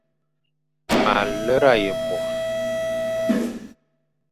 Ma lera ye mor.